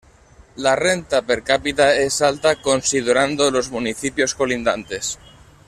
La renta per cápita es alta, considerando los municipios colindantes.